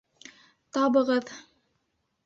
Табығыҙ!